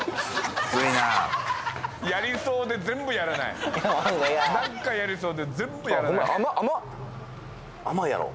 やりそうで全部やらないなんかやりそうで全部やらない甘いやろ？